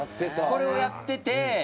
これをやってて。